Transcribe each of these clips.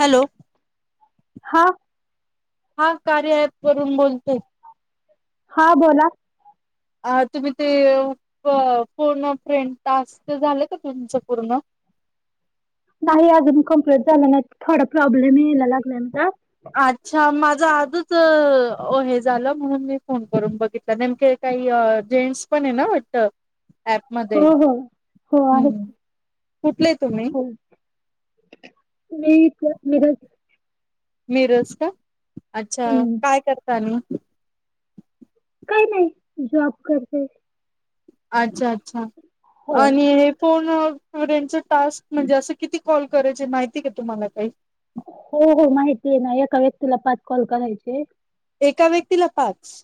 Hello हा हा कार्या अॅप वरून बोलतेय. हा बोला अ तुम्ही ते पूर्ण फ्रेंड तास ते झालं का तुमचं पूर्ण ? नाही अजून कंप्लीट झालं नाही थोडा प्रॉब्लेम यायला लागला आमचा अच्छा माझं आजच हे झालं म्हणून मी फोन करून बघितला नेमके काही जेंट्स पण ना वाटत. ऍप मध्ये हो हो हो आहे हम् कुठले तुम्ही, ? हो मी तर म मिरज का अच्छा हं. काय करता आणि काही नाही जॉब करते. अच्छा अच्छा हो आणि हे फोन संच टास्क म्हणजे असं किती कॉल करायचें माहिती काे तुम्हाला काही? हो हो माहिती आहे ना एका व्यक्तीला पाच कॉल करायचे. एका व्यक्तीला पाच!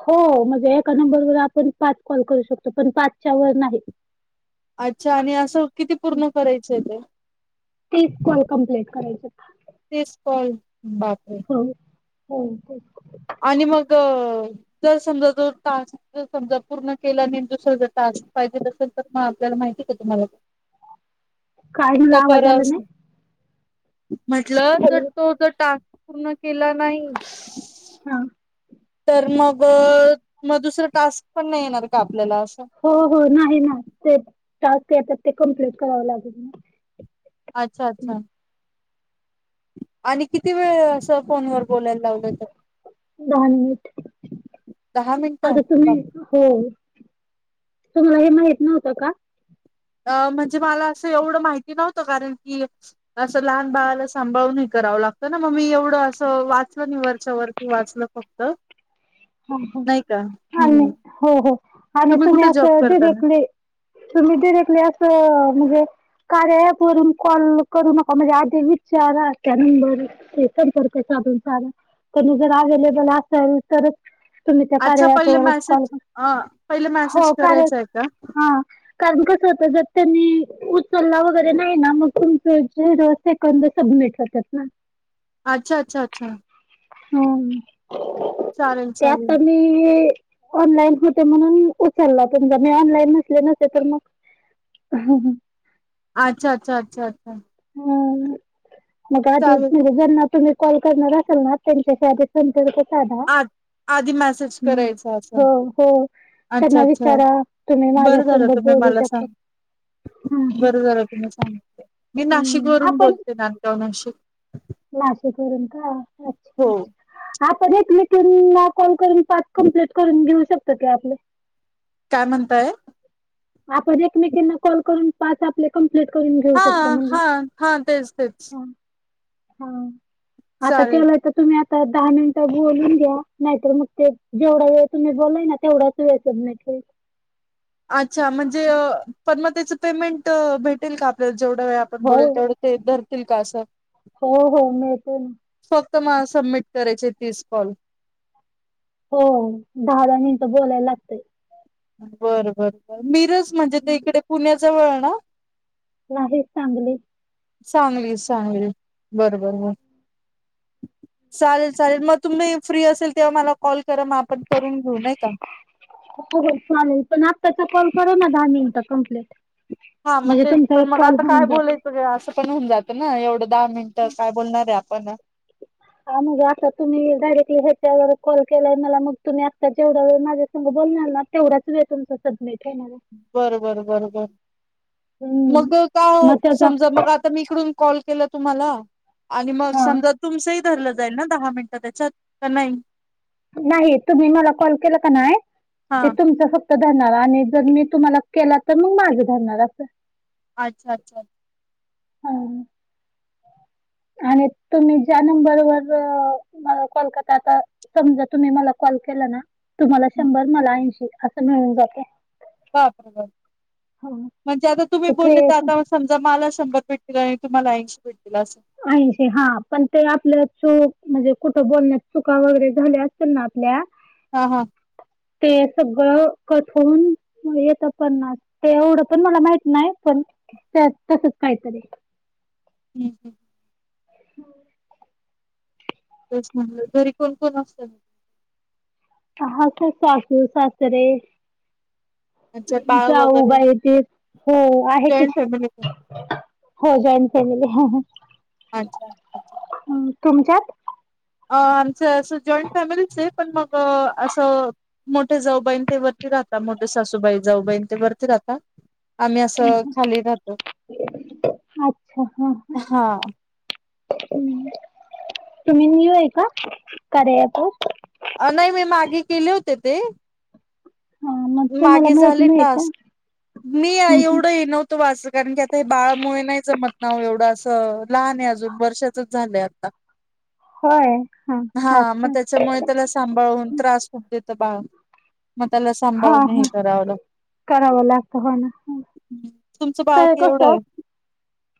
हो एका नंबर व आपण पाच कॉल करू शकतो पण पाचच्या वर नाही. अच्छा आणि असं किती पूर्ण करायचं ते? तीस काॅल कम्प्लीट करायचे. तीस कॉल बापरे--! हो हो आणि मग जर समजा जो टास्क समजा पूर्ण केला नाही दुसर जर टास्क पाहिजेल तर तसं मग आपल्याला माहिती आहे तुम्हाला काय मला तर आवाज आला करावच नाही. म्हटलं तर हॅलो तो जर टास्क पूर्ण केला नाही. हा तर मग मग दुसरं टास्क पण नाही येणार का? आपल्याला असं हो हो नाही ना ते टास्क येतात ते कम्पलेंट कराव लागेल ना. अच्छा अच्छा आणि किती वेळ असं फोन वर बोलायला लावलं तर? दहा मिनिट दहा मिनिटं आता तुम्ही बापरे हो तुम्हाला हे माहित नव्हतं का? अ म्हणजे मला असं एवढं माहिती नव्हतं कारण की असं लहान बाळाला सांभाळून का, कराव लागत ना मग मी एवढं अस वाचलं वरच्या वरती वाचलं फक्त ह ह नाही का आणि हम्म हो हो आणि तुम्ही कुठे जॉब असं करता ना डिरेक्टली तुम्ही डिरेक्टली असं म्हणजे, कार्यापरून कॉल करू नका म्हणजे आधी विचारा त्या नंबर ते संपर्क जर अबल असल तर, तुम्ही ते अच्छा के पहिले कॉल मेसेज अ पहिले मेसेज हो कार करायचा आहे का हा कारण क ज [unintelligible] त्यांनी. उचलला वगैरे नाही ना मग तुमच ज सेकंद सबमिट होतात ना. अच्छा! अच्छा! अच्छा! हम्! चालेल ते चालेल आत्ता मी. ऑनलाईन होते म्हणून उचलला पण ज मी ऑनलाईन नसले नसे तर मग. हम्! हम! अच्छा! अच्छा! अच्छा! अ्छा! हम चालेल मगजन ना त. कॉल करणार असेल ना त्यांच्या आधी संपर्क साधा. आ आधी मेसेज हम् करायचा असं हो हो. अच्छा त्यांना अच्छा विचारा तुम्ही माझ्यासोबत बोलू मला शकता. बरं झालं तुम्ही सांग मी नाशिक हम्म वरून बोलते नांदगाव नाशिक. माशी करून का अच्छा! हो अच्छा! कॉल करून पाच कमप्ट करून घेऊ शकत ते आपले. काय म्हणताय. आपण एकमेकांना कॉल करून पाच आपले क. करून घेऊ हा शकतो हा हा तेच तेच म्ह हा आता चालेल केलंय तर तुम्ही आ दहा मिनिटं बोलून घ्या नाहीतर मग ते जेवढा वेळ तुम्ही बोला ना तेवढाच वेळ स अच्छा म्हणजे पण मग त्याच पेमेंट भेटेल का आपल्या जेवढा वेळ आपण हो बोलल तेवढं ते धरतील का असं. हो हो मते ना. फक्त म सबमिट करेचे तीस कॉल. हो दहा दहा मिनिटं बोलायला लागतय. बर बर बर मिरज म्हणजे ते इकडे पुण्याजवळ ना. नाहीच चांगली. चांगली चांगली बर बर बर. चालेल चालेल मग तुम्ही फ्री असेल तेव्हा मला कॉल करा मग आपण करून घेऊ नाही का हो चालेल पण आत्ताचा कॉल कररा ना दहा मिनिट कमप्लीट. हा मग तेच पण मग आता काय बोलायचं असं पण होऊन जातं ना एवढं दहा मिनिटं काय बोलणारे आप हा मग आता तुम्ही डायरेक्टली ह्याच्यावर कॉल केलाय मला मग तुम्ही आता जवढ वेळ माझ्या स बोल तेवढाच आहे तुम समि. होणार बर बर बरबर. हम्म. मग का मग त्याचा समजा मग आता मी इकडून कॉल केला तुम्हाला. आणि मग हा समजा तुमचंही धरलं जाईल ना दहा मिनिटं त्याच्यात का नाही. नाही तुम्ही मला कॉल केला का नाही हा ते तुमच फत. तर धरणार आणि जर मी तुम्हाला केला तर मग माझे धरणार अस. अच्छा! अच्छा! हा. आणि तुम्ही ज्या नंबरवर म कॉल करता आता समजा तुम्ही मला कल. के ना तुम्हाला शंभर मला ऐशी अस मिळून जाते. बा बरबर हा. म्हणजे आता तुम्ही ते बोलले तर क्रिएशन आता समजा मला शंभर पेटीला आहे. तुमला ऐंशी भट. ऐशी हा पण ते आपलं. चो म्हणजे कुठं बोलण्यात चुका वगैरे झाल्या असत ना आपल्या हा हा. ते सगळं कठून येत पणना ते एवढं पण मला माहित नाही पण त्या तसच काहीतरी हम् हम् होम् तस म्हलं घरी कोण कोण असत हा ते सासू सासरे अच्छा बाळ जाऊ वगैरे बाई ते हो आहे की जॉईंट फॅमिली का? हो जॉईंट फॅमिली हाय अच्छा अच्छा तुमच्यात? अ आमचं अस जॉईंट फॅमिलीच आहे पण मग असं मोठे जाऊबाईन ते वरती राहता मोठ सासूबाई जाऊबाईन ते वरती राहतात अच्छा हा हा तुम्ही न्यू हाय का कार्यात अ नाही मी मागे केले होते ते हा मग तुम्हाला मागे माहित झाले नाही का टस्क मी हे हम्म, हम्म. एवढं नव्हतं वाच कारण की आता हे बाळामुळे नाही जमतना एवढं असं लहान आहे अजून वर्षाचच झालंय आता होय हा मग अच्छा त्याच्यामुळे त्याला सांभाळून त्रास खूप देतो आमच बाळ मग त्याला हा सांभाळूनही हा कराव करावं लागतं हो ना तुमचं बाळ तर केवढं कसं आहे?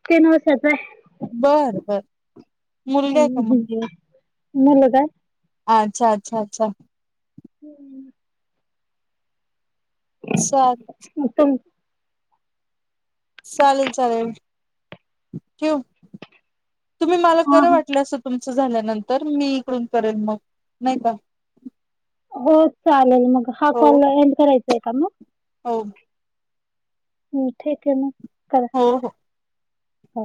तीन वर्षाच आहे. बर बर मुलगा का हम्म, हम्म. मुलगी आहे? मुलगा आहे अच्छा अच्छा अच्छा. हम्म. सात मग तुम चालेल चालेल क्यू तुम्ही मला हा खरं हा. वाटलं असं तुमच झाल्यानंतर मी इकडून करेन मग नाही का हो, चालेल मग हा हो कॉल एंड करायचा आहे का मग? हो. हम्म ठीक आहे मग? करा हो हो. हो.